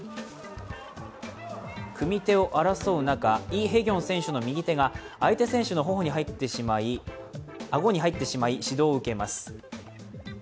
組み手を争う中、イ・ヘギョン選手の右手が相手選手の顎に入ってしまい指導を受けます。